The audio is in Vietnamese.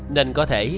nên có thể